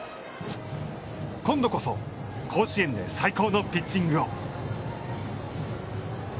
今度こそ甲子園で最高のピッチングを。